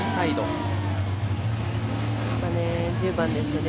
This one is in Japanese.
１０番ですよね。